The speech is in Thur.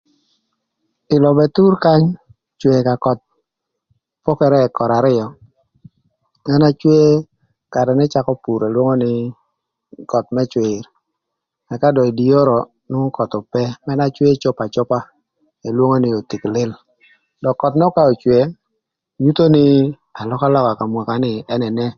Ï lobo k'ethur kany cwe ka köth pokere körë arïö ën na cwe ï karë n'ëcakö pur elwongo nï köth më cwïr ëka dong ï dye oro nwongo köth ope. Mën n'acwe cop acopa elwongo nï othik lïl. Dong köth nön k'ocwe, nyutho nï alökalöka ka mwaka nï ën enene.